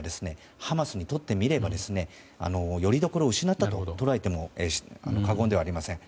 ハマスにとってみればより所を失ったと捉えても過言ではありません。